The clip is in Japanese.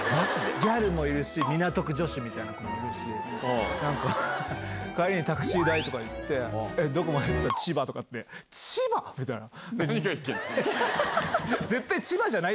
ギャルもいるし、港区女子みたいな子もいるし、なんか、帰りにタクシー代とか言って、どこまで？って言うと、千葉とか何がいけない？